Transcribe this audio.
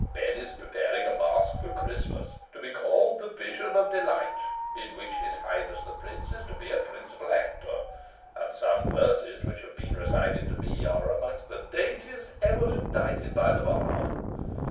Ben is preparing a masque for Christmas, to be called 'The Vision of Delight,' in which his highness the prince is to be a principal actor, and some verses which have been recited to me are amongst the daintiest ever indited by the bard."